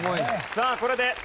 さあこれで現状